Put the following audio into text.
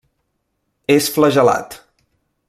És flagel·lat.